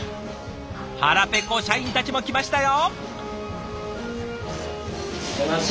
腹ペコ社員たちも来ましたよ！